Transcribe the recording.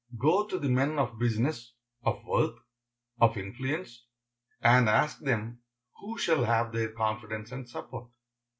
Go to the men of business, of worth, of influence, and ask them who shall have their confidence and support.